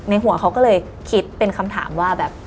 หัวเขาก็เลยคิดเป็นคำถามว่าแบบ